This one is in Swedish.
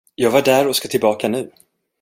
Jag var där och ska tillbaka nu.